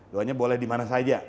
duanya boleh dimana saja